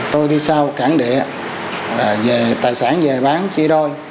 tôi đi sau cản địa về tài sản về bán chi đôi